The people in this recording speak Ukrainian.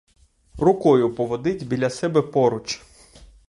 Рукою поводить біля себе поруч.